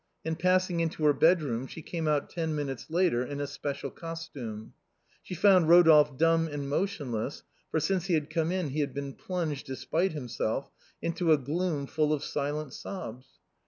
And passing into her bedroom, she came out ten minutes later, in a special costume. She found Eodolphe dumb and motionless, for since he had come in he had been plunged, despite himself, into a gloom full of silent sobs.